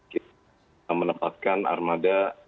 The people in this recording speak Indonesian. kita menempatkan armada